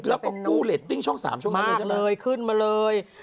แล้วก็กู้เรตติ้งช่อง๓ใช่ไหมเลยขึ้นมาเลย